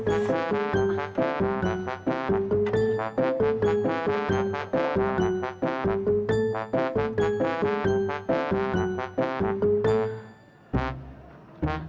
apa begini sih